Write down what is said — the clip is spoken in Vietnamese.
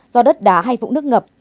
do đất đá hay vụ nước ngập